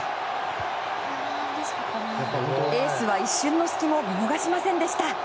エースは一瞬の隙も見逃しませんでした。